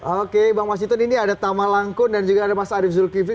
oke bang mas hiton ini ada tama langkun dan juga ada mas arief zulkifli